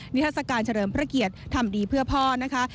ทัศกาลเฉลิมพระเกียรติทำดีเพื่อพ่อนะคะ